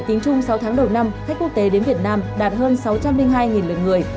trong sáu tháng đầu năm khách quốc tế đến việt nam đạt hơn sáu trăm linh hai lượt người